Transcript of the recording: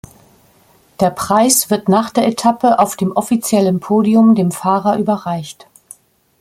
Der Preis wird nach der Etappe auf dem offiziellen Podium dem Fahrer überreicht.